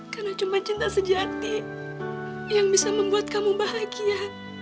karena cuma cinta sejati yang bisa membuat kamu bahagia